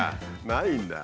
ないんだ。